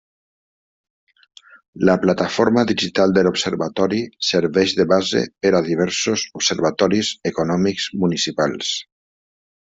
La plataforma digital de l'observatori serveix de base per a diversos observatoris econòmics municipals.